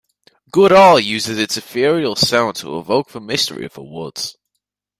Goodall uses its ethereal sounds to evoke the mystery of the woods.